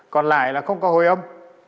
còn lại là không có hồi ấm